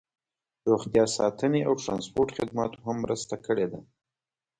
روغتیا ساتنې او ټرانسپورټ خدماتو هم مرسته کړې ده